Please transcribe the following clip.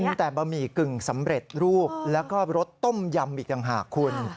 มีแต่บะหมี่กึ่งสำเร็จรูปแล้วก็รสต้มยำอีกต่างหากคุณ